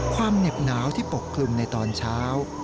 เหน็บหนาวที่ปกคลุมในตอนเช้า